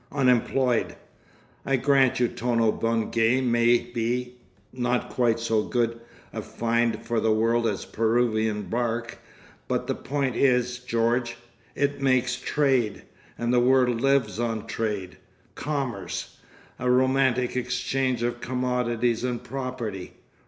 Unemployed! I grant you Tono Bungay may be—not quite so good a find for the world as Peruvian bark, but the point is, George—it makes trade! And the world lives on trade. Commerce! A romantic exchange of commodities and property.